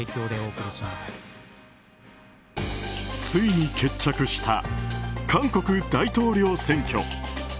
ついに決着した韓国大統領選挙。